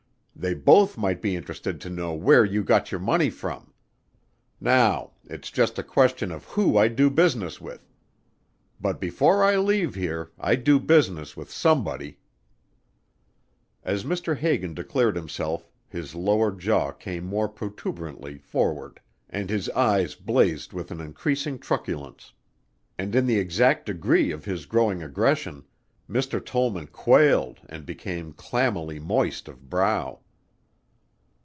They both might be interested to know where you got your money from. Now it's just a question of who I do business with, but before I leave here I do business with somebody." As Mr. Hagan declared himself his lower jaw came more protuberantly forward and his eyes blazed with an increasing truculence. And in the exact degree of his growing aggression, Mr. Tollman quailed and became clammily moist of brow.